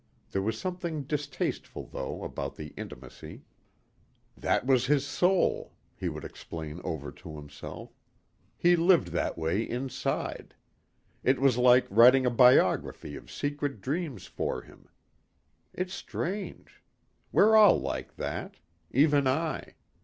There was something distasteful, though, about the intimacy. "That was his soul," he would explain over to himself. "He lived that way inside. It was like writing a biography of secret dreams for him. It's strange. We're all like that. Even I.